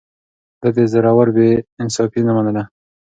ده د زورورو بې انصافي نه منله.